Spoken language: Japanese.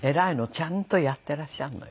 ちゃんとやってらっしゃるのよ。